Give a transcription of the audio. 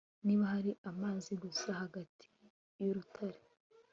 Niba hari amazi gusa hagati yurutare